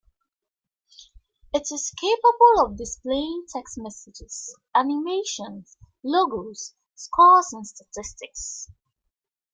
It is capable of displaying text messages, animations, logos, scores and statistics.